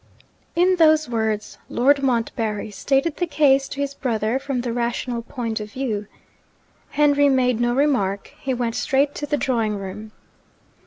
In those words, Lord Montbarry stated the case to his brother from the rational point of view. Henry made no remark, he went straight to the drawing room.